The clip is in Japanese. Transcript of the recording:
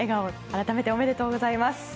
改めて、おめでとうございます。